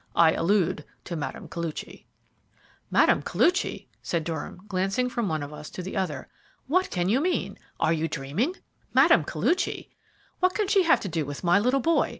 I allude to Mme. Koluchy." "Mme. Koluchy!" said Durham, glancing from one of us to the other. "What can you mean? Are you dreaming? Mme. Koluchy! What can she have to do with my little boy?